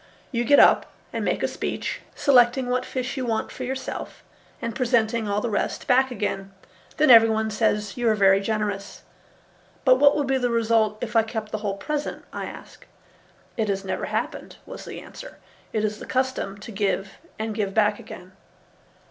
You get up and make a speech, selecting what fish you want for yourself and presenting all the rest back again. Then everybody says you are very generous." "But what would be the result if I kept the whole present?" I asked. "It has never happened," was the answer. "It is the custom to give and give back again."